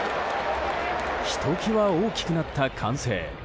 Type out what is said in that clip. ひと際大きくなった歓声。